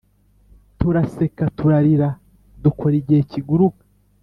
turaseka, turarira, dukora igihe kiguruka.